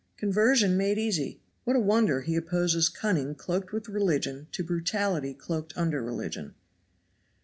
Conversion made easy! What a wonder he opposes cunning cloaked with religion to brutality cloaked under religion.